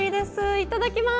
いただきます！